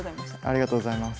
ありがとうございます。